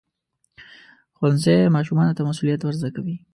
ښوونځی ماشومانو ته مسؤلیت ورزده کوي.